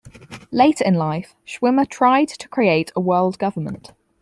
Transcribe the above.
Later in life, Schwimmer tried to create a world government.